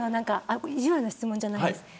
意地悪な質問じゃないです。